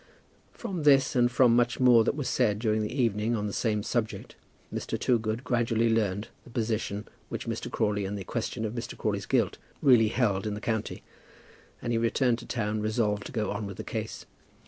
From this and from much more that was said during the evening on the same subject Mr. Toogood gradually learned the position which Mr. Crawley and the question of Mr. Crawley's guilt really held in the county, and he returned to town resolved to go on with the case.